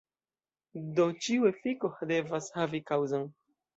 Do, ĉiu efiko devas havi kaŭzon.